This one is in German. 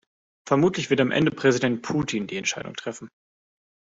Vermutlich wird am Ende Präsident Putin die Entscheidung treffen.